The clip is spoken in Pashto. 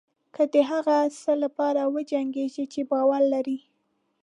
که د هغه څه لپاره وجنګېږئ چې باور لرئ.